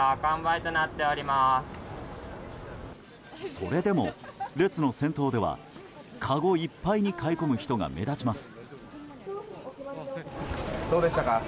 それでも列の先頭ではかごいっぱいに買い込む人が目立ちます。